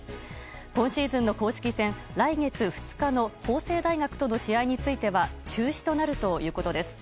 今シーズンの公式戦、来月２日の法政大学との試合については中止となるということです。